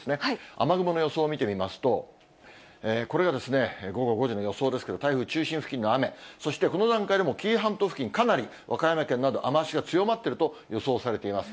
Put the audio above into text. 雨雲の予想を見てみますと、これが、午後５時の予想ですけど、台風中心付近の雨、そしてこの段階でも紀伊半島付近、かなり和歌山県など、雨足が強まっていると予想されています。